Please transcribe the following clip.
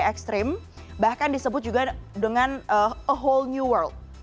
ekstrim bahkan disebut juga dengan whole new world